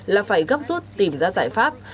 là phải gấp rút tìm ra giải pháp